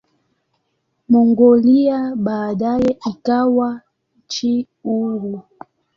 Mongolia baadaye ikawa nchi huru.